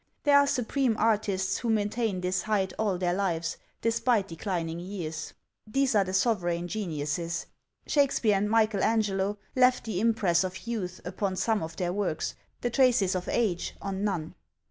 There are supreme artists who maintain this height all their lives, despite declining years. These are the sovereign geniuses. Shakespeare and Michael Angelo left the impress of youth upon some of their works, the traces of age on none.